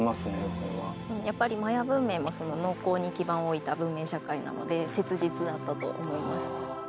これはうんやっぱりマヤ文明も農耕に基盤を置いた文明社会なので切実だったと思います